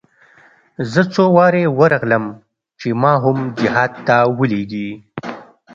زه څو وارې ورغلم چې ما هم جهاد ته ولېږي.